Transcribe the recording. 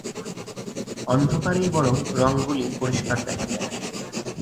অন্ধকারেই বরং রঙগুলি পরিষ্কার দেখা যায়।